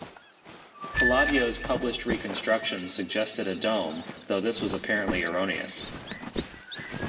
Palladio's published reconstruction suggested a dome, though this was apparently erroneous.